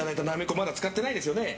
まだ使ってないですよね。